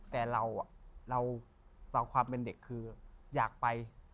แต่เราต่อความเป็นเด็กคืออยากไป